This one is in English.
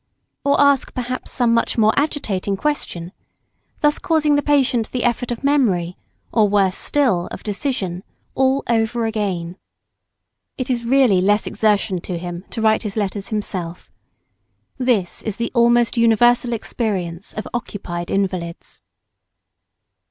or ask perhaps some much more agitating question thus causing the patient the effort of memory, or worse still, of decision, all over again. It is really less exertion to him to write his letters himself. This is the almost universal experience of occupied invalids.